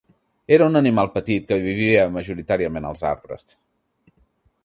Era un animal petit que vivia majoritàriament als arbres.